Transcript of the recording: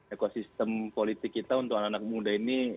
ekosistem politik kita untuk anak anak muda ini